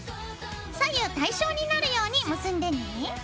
左右対称になるように結んでね。